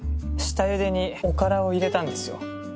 下茹でにおからを入れたんですよ。